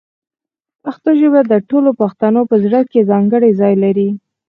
پښتو ژبه د ټولو پښتنو په زړه کې ځانګړی ځای لري.